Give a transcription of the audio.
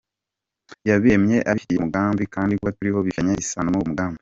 Yabiremye abifitiye umugambi kandi kuba turiho bifitanye isano n’uwo mugambi.